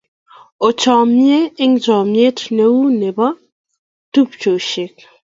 Ochamnye eng'chamnyet ne u ne bo tupchosiek.